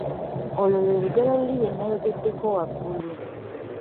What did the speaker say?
Olwo lwe lugero luli lwe nayogeddeko waggulu.